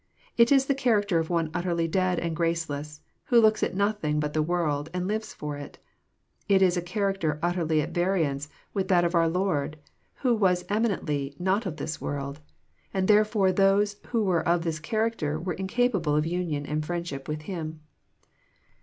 It is the character of one utterly dead and graceless, who looks at nothing but the world, and lives for it. It is a character utterly at variance with that of our Lord, who was eminently not of this world ;" and therefore those who were of this character were incapable of union and friendship with Him.